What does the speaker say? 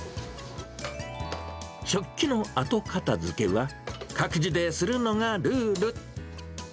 食器の後片付けは、各自でするのがルール。